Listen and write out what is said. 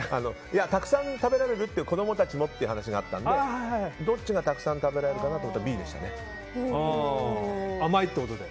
たくさん食べられる子供たちもって話があったのでどっちがたくさん食べられるかなと思ったら甘いってことで？